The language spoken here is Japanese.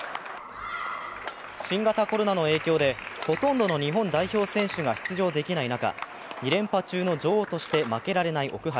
新型コロナの影響でほとんどの日本代表選手が出場できない中、２連覇中の女王として負けられない奥原。